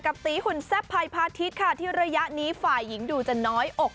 ตีหุ่นแซ่บภัยพาทิศค่ะที่ระยะนี้ฝ่ายหญิงดูจะน้อยอก